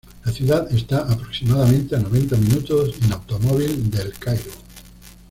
La ciudad está aproximadamente a noventa minutos en automóvil de El Cairo.